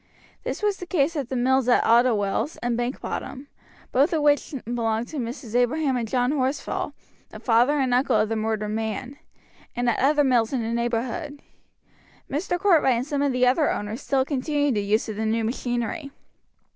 This was the case at the mills at Ottewells and Bankbottom, both of which belonged to Messrs. Abraham & John Horsfall, the father and uncle of the murdered man, and at other mills in the neighborhood. Mr. Cartwright and some of the other owners still continued the use of the new machinery.